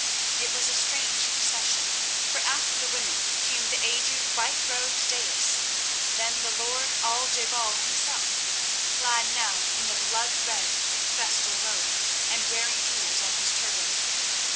It was a strange procession, for after the women came the aged, white robed daïs, then the lord Al je bal himself, clad now in his blood red, festal robe, and wearing jewels on his turban.